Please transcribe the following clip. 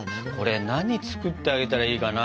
何作ってあげたらいいかな？